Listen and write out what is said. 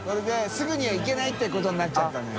すぐには行けないってことになっちゃったのよ。